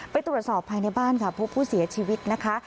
ไปตรวจสอบภายในบ้านค่ะพบผู้เสียชีวิตนะคะ